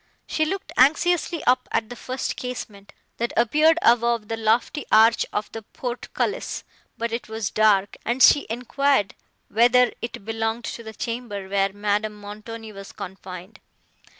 She looked anxiously up at the first casement, that appeared above the lofty arch of the portcullis; but it was dark, and she enquired, whether it belonged to the chamber where Madame Montoni was confined.